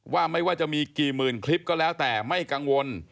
ว่าไม่ว่าจะมีกี่หมื่นคลิปก็แล้วแต่ไม่กังวล